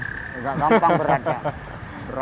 tidak gampang berat ya